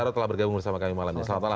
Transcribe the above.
itu bukan kesepakatan